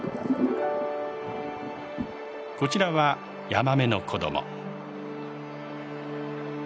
こちらはヤマメの子供。